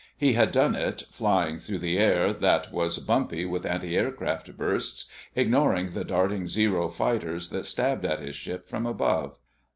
He had done it, flying through air that was bumpy with antiaircraft bursts, ignoring the darting Zero fighters that stabbed at his ship from above.